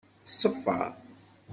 Tṣeffer.